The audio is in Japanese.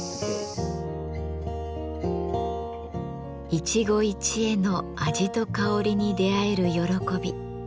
一期一会の味と香りに出会える喜び。